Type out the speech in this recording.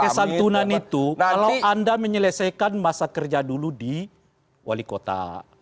kesantunan itu kalau anda menyelesaikan masa kerja dulu di wali kota